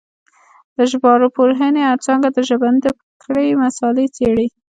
د ژبارواپوهنې څانګه د ژبزده کړې مسالې څېړي